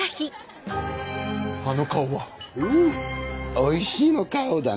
「おいしい」の顔だね。